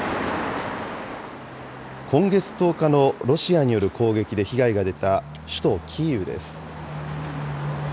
今月１０日のロシアによる攻撃で被害が出た首都キーウです。